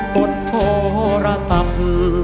กดโทรศัพท์